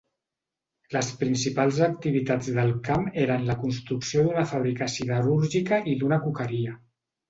Les principals activitats del camp eren la construcció d'una fàbrica siderúrgica i d'una coqueria.